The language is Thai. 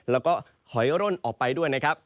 แล้วก็หอยร่นออกไปด้วยนะครับ